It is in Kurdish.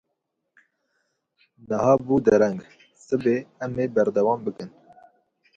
Niha bû dereng, sibê em ê berdewam bikin.